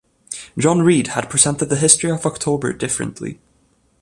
John Reed had presented the history of October differently.